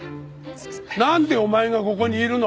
なんでお前がここにいるの？